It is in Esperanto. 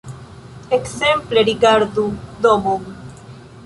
Ekzemple rigardu domon.